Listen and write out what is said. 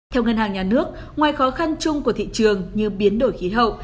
theo ngân hàng nhà nước ngoài khó khăn chung của thị trường như biến đổi khí hậu